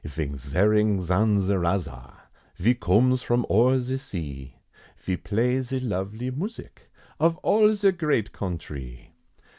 Vings zerring zanzeraza, Ve cooms from o'er ze sea, Ve plays ze lovely music, Of all ze great countree.